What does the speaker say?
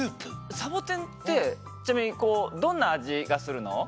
サボテンってちなみにどんなあじがするの？